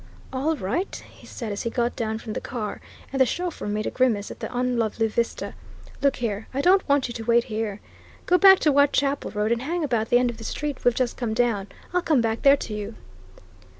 "All right," he said as he got down from the car, and the chauffeur made a grimace at the unlovely vista. "Look here I don't want you to wait here. Go back to Whitechapel Road and hang about the end of the street we've just come down. I'll come back there to you."